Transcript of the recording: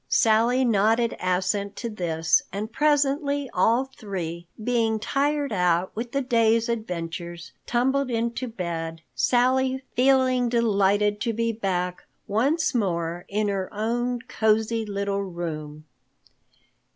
Sally nodded assent to this and presently all three, being tired out with the day's adventures, tumbled into bed, Sally feeling delighted to be back once more in her own cosy little room.